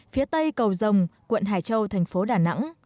phía tây cầu rồng quận hải châu thành phố đà nẵng